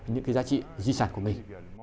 những cái giá trị di sản của mình